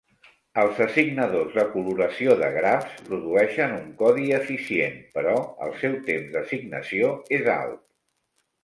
Els assignadors de coloració de grafs produeixen un codi eficient, però el seu temps d'assignació és alt.